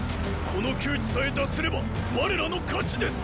この窮地さえ脱すれば我らの勝ちです！